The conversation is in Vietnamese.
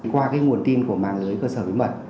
qua cái nguồn tin của mạng lưới cơ sở bí mật